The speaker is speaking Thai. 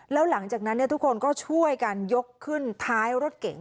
แล้วหลังจากนั้นทุกคนก็ช่วยกันยกขึ้นท้ายรถเก๋ง